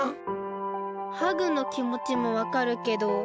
ハグのきもちもわかるけど。